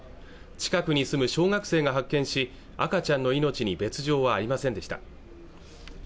近くに住む小学生が発見し赤ちゃんの命に別状はありませんでした